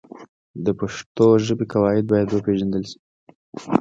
د پښتو ژبې قواعد باید وپېژندل سي.